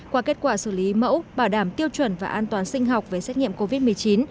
qua kết quả xử lý mẫu bảo đảm tiêu chuẩn và an toàn sinh học về xét nghiệm covid một mươi chín